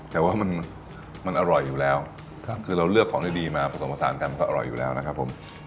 แต่ว่ามันอร่อยอยู่แล้วคือเราเลือกของดีมาผสมผสานกันมันก็อร่อยอยู่แล้วนะครับผม